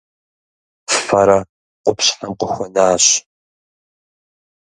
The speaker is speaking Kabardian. Фэрэ къупщхьэм къыхуэнащ.